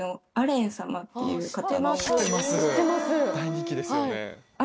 大人気ですよね